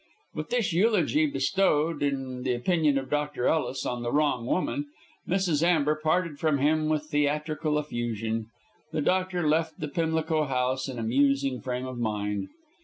With this eulogy bestowed, in the opinion of Ellis, on the wrong woman, Mrs. Amber parted from him with theatrical effusion. The doctor left the Pimlico house in a musing frame of mind.